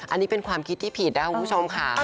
อันนี้เป็นความคิดที่ผิดนะครับคุณผู้ชมค่ะ